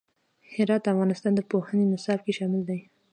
هرات د افغانستان د پوهنې نصاب کې شامل دي.